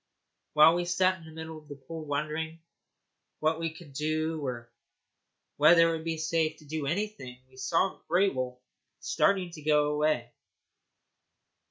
While we sat in the middle of the pool wondering what we could do or whether it would be safe to do anything, we saw Grey Wolf start to go away.